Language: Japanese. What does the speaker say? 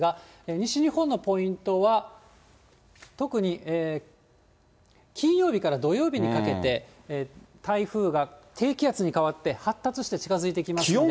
西日本のポイントは、特に金曜日から土曜日にかけて、台風が低気圧に変わって、発達して近づいてきますんで。